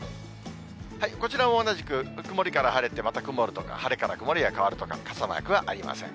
こちらも同じく、曇りから晴れて、また曇るとか、晴れから曇りへ変わるとか、傘マークはありません。